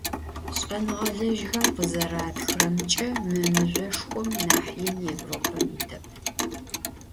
Ş'enığelejxem khızeratxıremç'e, mı mızjoşşxom nah yin Yêvropem yitep.